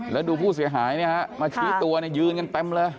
แล้วดูผู้เสียหายเนี่ยฮะมาชี้ตัวยืนกันเต็มเลย